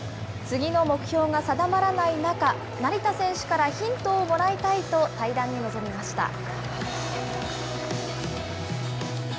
次の目標が定まらない中、成田選手からヒントをもらいたいと、対談に臨みました。